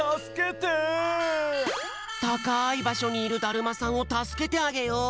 たかいばしょにいるだるまさんをたすけてあげよう！